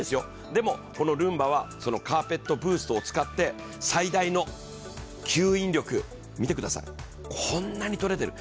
でもこのルンバはカーペットブーストを使って最大の吸引力、見てください、こんなに取れてる。